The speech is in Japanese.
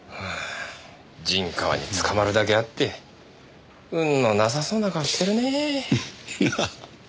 陣川に捕まるだけあって運のなさそうな顔してるね。